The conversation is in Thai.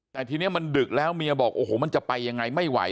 แต่ทีนี้มันดึกแล้วเมียบอกโอ้โหมันจะไปยังไงไม่ไหว